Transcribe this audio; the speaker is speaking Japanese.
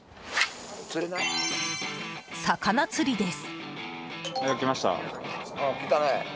魚釣りです。